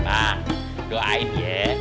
mak doain ya